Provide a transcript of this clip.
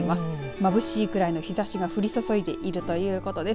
まぶしいくらいの日ざしが降り注いでいるということです。